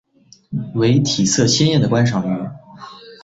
为体色鲜艳的观赏鱼。